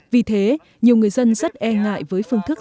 vì thế nhiều người dân rất e ngại với phương thức